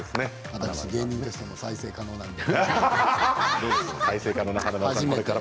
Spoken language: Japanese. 私、芸人としても再生可能なので。